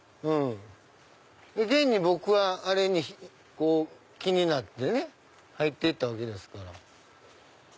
現に僕はあれに気になってね入ってったわけですから。